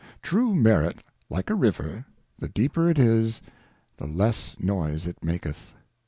True Merit, like a River, the deeper it is the less noise it maketh.